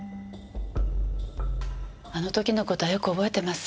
あの時の事はよく覚えてます。